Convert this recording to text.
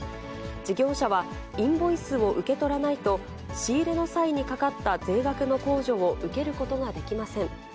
事業者は、インボイスを受け取らないと、仕入れの際にかかった税額の控除を受けることができません。